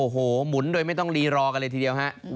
โอ้โหหมุนโดยไม่ต้องรีรอกันเลยทีเดียวฮะ